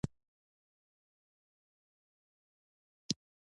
د کُفر فتواوې صادري کړې.